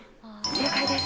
正解です。